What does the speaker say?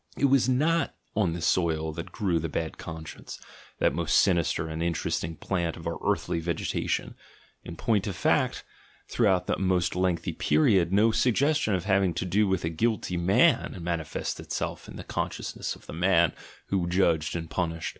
It was not on this soil that grew the "bad con science," that most sinister and interesting plant of our 74 THE GENEALOGY OF MORALS earthly vegetation — in point of fact, throughout a most lengthy period, no suggestion of having to do with a '•guilty man" manifested itself in the consciousness of the man who judged and punished.